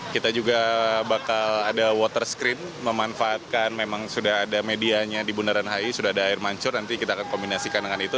kita juga bakal ada water screen memanfaatkan memang sudah ada medianya di bundaran hi sudah ada air mancur nanti kita akan kombinasikan dengan itu